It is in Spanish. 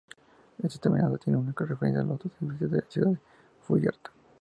Este terminado tiene como referencia a los otros edificios de la ciudad de Fullerton.